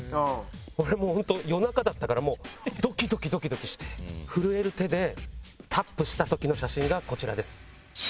俺もう本当夜中だったからもうドキドキドキドキして震える手でタップした時の写真がこちらです。